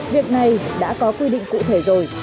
việc này đã có quy định cụ thể rồi